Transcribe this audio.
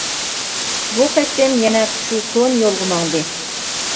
بۇ قېتىم يەنە شۇ كونا يولغا ماڭدى.